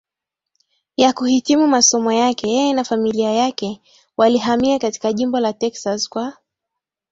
ya kuhitimu masomo yake yeye na familia yake walihamia katika jimbo la Texas Kwa